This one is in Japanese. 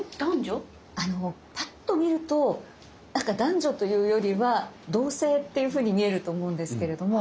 パッと見るとなんか男女というよりは同性っていうふうに見えると思うんですけれども。